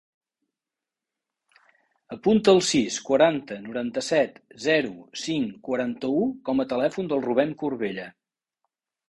Apunta el sis, quaranta, noranta-set, zero, cinc, quaranta-u com a telèfon del Rubèn Corbella.